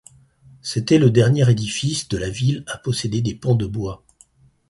C’était le dernier édifice de la ville à posséder des pans de bois.